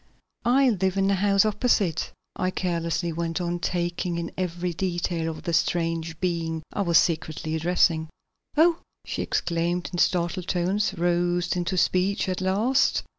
"I live in the house opposite," I carelessly went on, taking in every detail of the strange being I was secretly addressing. "Oh!" she exclaimed in startled tones, roused into speech at last.